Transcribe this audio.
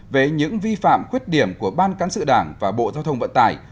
về những vi phạm khuyết điểm của ban cán sự đảng và bộ giao thông vận tải